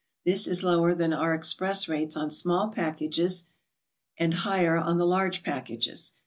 This is lower than our express rates on small packages, and higher on the large packages.